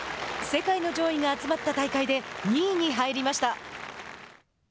世界の上位が集まった大会で２位に入りました。